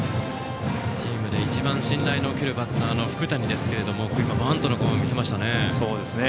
チームで一番信頼の置けるバッターの福谷ですがバントの構えを見せましたね。